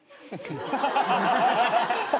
ハハハハハ！